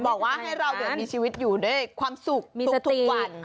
บอกว่าให้เรามีชีวิตอยู่ด้วยความสุขทุกวัน